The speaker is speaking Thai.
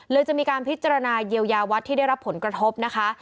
จะมีการพิจารณาเยียวยาวัดที่ได้รับผลกระทบนะคะ